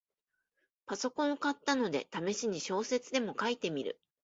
パソコンを買ったので、ためしに小説でも書いてみる